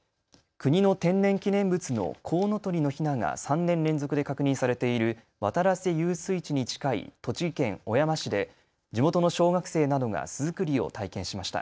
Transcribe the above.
国の天然記念物のコウノトリのひなが３年連続で確認されている渡良瀬遊水地に近い栃木県小山市で地元の小学生などが巣作りを体験しました。